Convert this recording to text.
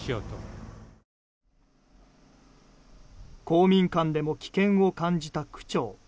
公民館でも危険を感じた区長。